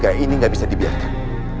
kayak ini gak bisa dibiarkan